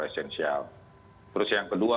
esensial terus yang kedua